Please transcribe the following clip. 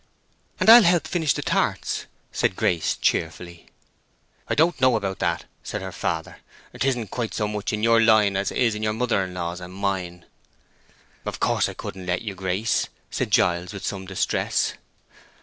"And I'll help finish the tarts," said Grace, cheerfully. "I don't know about that," said her father. "'Tisn't quite so much in your line as it is in your mother law's and mine." "Of course I couldn't let you, Grace!" said Giles, with some distress.